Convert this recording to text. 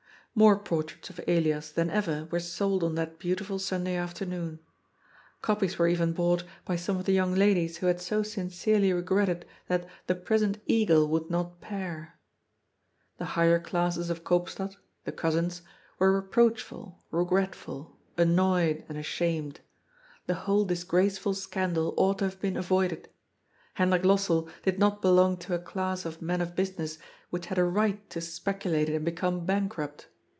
More portraits of Elias than ever were sold on that beautiful Sunday afternoon. Copies were even bought by KOOPSTAD CACKLES. 437 some of the young ladies who had so sincerely regretted that "the prisoned eagle would not pair." The higher classes of Koopstad — the cousins — were reproachful, regret ful, annoyed and ashamed. The whole disgraceful scandal ought to have been avoided. Hendrik Lossell did not belong to a class of men of business which had a right to speculate and become bankrupt.